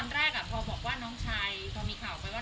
น้องชายพอมีข่าวไปว่า